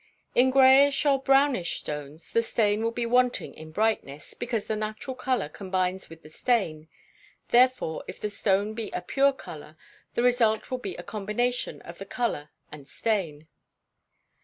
In greyish or brownish stones, the stain will be wanting in brightness, because the natural colour combines with the stain; therefore, if the stone be a pure colour, the result will be a combination of the colour and stain.